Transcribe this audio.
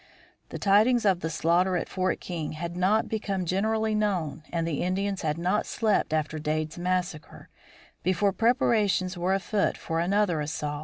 The tidings of the slaughter at Fort King had not become generally known and the Indians had not slept after Dade's massacre, before preparations were afoot for another assault.